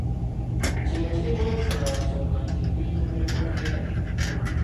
Kino kiri bwe kityo lwa nsonga nti ebintu bye twogera.